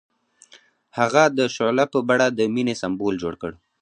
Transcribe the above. هغه د شعله په بڼه د مینې سمبول جوړ کړ.